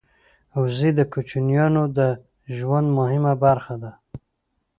وزې د کوچیانو د ژوند مهمه برخه ده